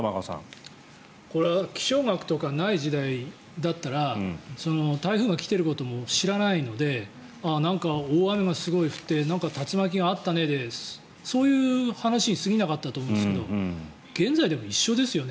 これは気象学とかない時代だったら台風が来ていることも知らないのでなんか大雨がすごい降ってなんか竜巻があったねでそういう話に過ぎなかったと思うんですが現在でも一緒ですよね。